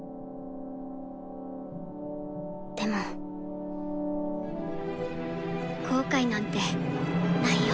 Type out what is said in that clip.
でも後悔なんてないよ。